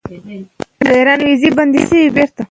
د زړونو پاکوالی د مینې لپاره ضروري دی.